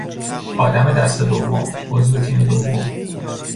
آدم دست دوم، عضو تیم دوم